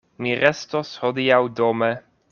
Mi restos hodiaŭ dome.